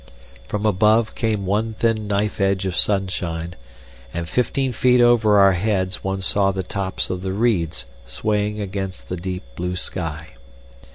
From above came one thin knife edge of sunshine, and fifteen feet over our heads one saw the tops of the reeds swaying against the deep blue sky.